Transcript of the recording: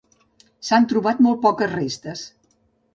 S'han trobat molt poques restes.